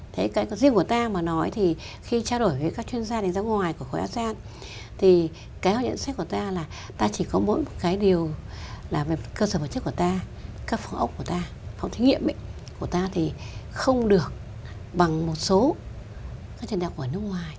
thế riêng của ta mà nói thì khi trao đổi với các chuyên gia đánh giá ngoài của khối asean thì kéo nhận sách của ta là ta chỉ có mỗi một cái điều là về cơ sở vật chất của ta các phòng ốc của ta phòng thí nghiệm của ta thì không được bằng một số các chuyên gia của nước ngoài